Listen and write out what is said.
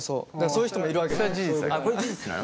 そういう人もいるわけ。